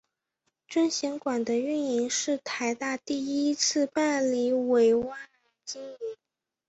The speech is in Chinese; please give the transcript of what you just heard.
尊贤馆的营运是台大第一次办理委外经营。